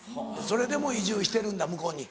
それでもう移住してるんだ向こうに。